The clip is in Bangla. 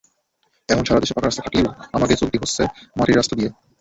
এহন সারা দেশে পাকা রাস্তা থাকলিও আমাগে চলতি হচ্ছে মাটির রাস্তা দিয়ে।